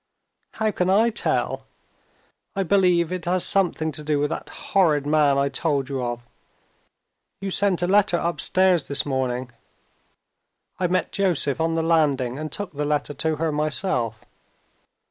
"How can I tell? I believe it has something to do with that horrid man I told you of. You sent a letter upstairs this morning. I met Joseph on the landing, and took the letter to her myself.